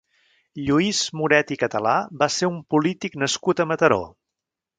Lluís Moret i Català va ser un polític nascut a Mataró.